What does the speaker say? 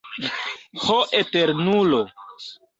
Ho Eternulo!